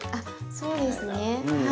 そうですねはい。